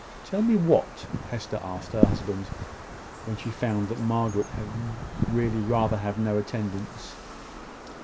"Tell me what?" Hester asked her husband, when she found that Margaret had really rather have no attendance.